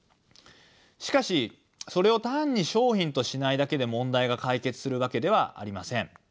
しかしそれを単に商品としないだけで問題が解決するわけではありません。